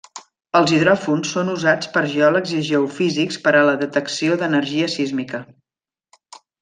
Els hidròfons són usats per geòlegs i geofísics per a la detecció d'energia sísmica.